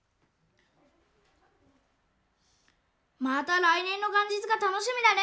また来年の元日が楽しみだね。